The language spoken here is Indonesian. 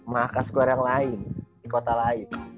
mahakas keluar yang lain di kota lain